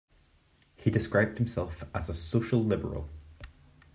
He described himself as a 'social liberal'.